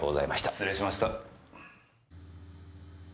失礼しました。